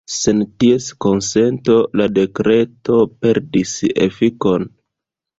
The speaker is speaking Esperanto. Sen ties konsento la dekreto perdis efikon.